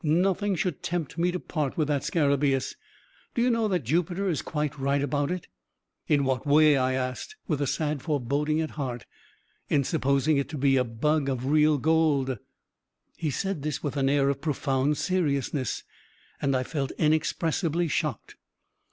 Nothing should tempt me to part with that scarabaeus. Do you know that Jupiter is quite right about it?" "In what way?" I asked, with a sad foreboding at heart. "In supposing it to be a bug of real gold." He said this with an air of profound seriousness, and I felt inexpressibly shocked.